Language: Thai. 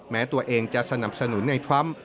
แม้ตัวเองจะสนับสนุนในทรัมป์